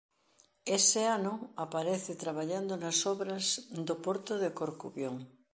Ese ano aparece traballando nas obras do porto de Corcubión.